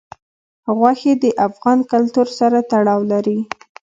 غوښې د افغان کلتور سره تړاو لري.